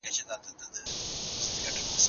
تجربې د څیړنې یوه برخه تشکیلوي.